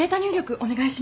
お願いします。